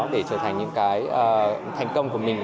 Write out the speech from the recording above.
để trở thành những cái thành công của mình